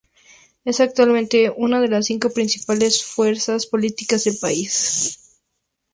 Es actualmente una de las cinco principales fuerzas políticas del país.